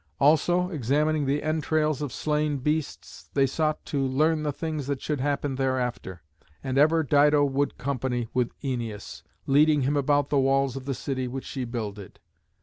Also, examining the entrails of slain beasts, they sought to learn the things that should happen thereafter. And ever Dido would company with Æneas, leading him about the walls of the city which she builded.